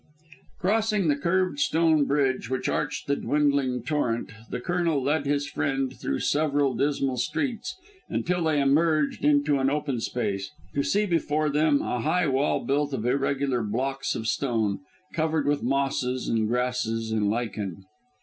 Crossing the curved stone bridge which arched the dwindling torrent, the Colonel led his friend through several dismal streets until they emerged into an open space, to see before them a high wall built of irregular blocks of stone, covered with mosses and grasses and lichen.